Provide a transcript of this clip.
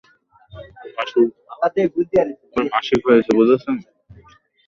ওর মাসিক হয়েছে, বুঝেছেন?